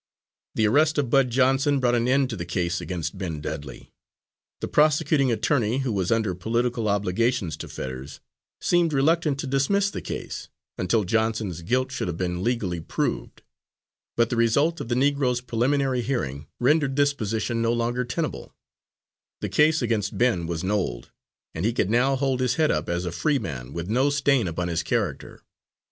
The arrest of Bud Johnson brought an end to the case against Ben Dudley. The prosecuting attorney, who was under political obligations to Fetters, seemed reluctant to dismiss the case, until Johnson's guilt should have been legally proved; but the result of the Negro's preliminary hearing rendered this position no longer tenable; the case against Ben was nolled, and he could now hold up his head as a free man, with no stain upon his character.